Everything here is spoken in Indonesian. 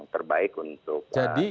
terbaik untuk kita pilih